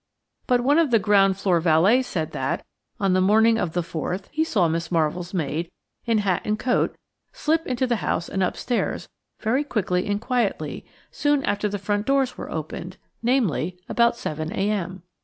But one of the ground floor valets said that, on the morning of the 4th, he saw Miss Marvell's maid, in hat and coat, slip into the house and upstairs, very quickly and quietly, soon after the front doors were opened, namely, about 7.0 a.m.